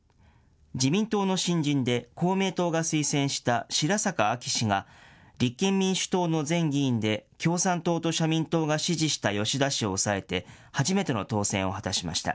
自民党の新人で公明党が推薦した白坂亜紀氏が、立憲民主党の前議員で共産党と社民党が支持した吉田氏を抑えて初万歳。